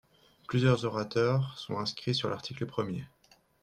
Plusieurs orateurs sont inscrits sur l’article premier.